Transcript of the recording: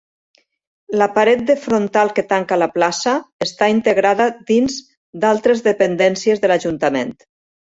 La paret de frontal que tanca la plaça, està integrada dins d'altres dependències de l'ajuntament.